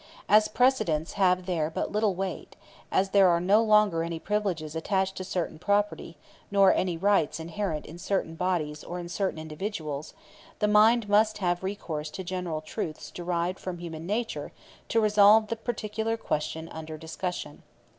As precedents have there but little weight as there are no longer any privileges attached to certain property, nor any rights inherent in certain bodies or in certain individuals, the mind must have recourse to general truths derived from human nature to resolve the particular question under discussion.